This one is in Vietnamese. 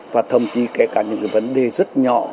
và thậm chí kể cả những cái vấn đề rất nhỏ